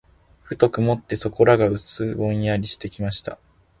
ふと曇って、そこらが薄ぼんやりしてきました。